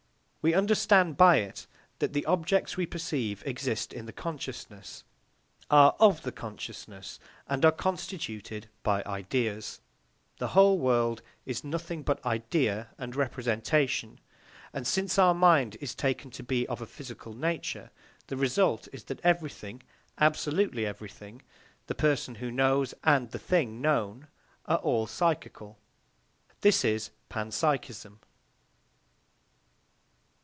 We understand by it that the objects we perceive exist in the consciousness, are of the consciousness, and are constituted by ideas; the whole world is nothing but idea and representation; and, since our mind is taken to be of a psychical nature, the result is that everything, absolutely everything, the person who knows and the thing known, are all psychical. This is panpsychism.